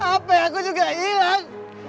hape aku juga hilang